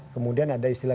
kemudian ada istilah